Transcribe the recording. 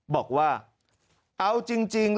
บอกว่าเอาจริง